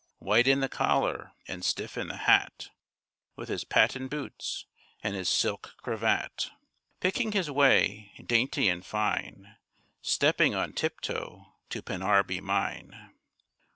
White in the collar and stiff in the hat, With his patent boots and his silk cravat, Picking his way, Dainty and fine, Stepping on tiptoe to Pennarby mine.